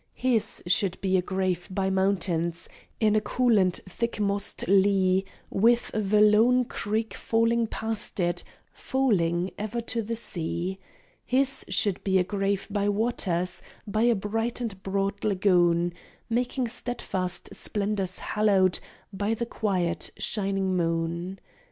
His should be a grave by mountains, in a cool and thick mossed lea, With the lone creek falling past it falling ever to the sea. His should be a grave by waters, by a bright and broad lagoon, Making steadfast splendours hallowed of the quiet, shining moon.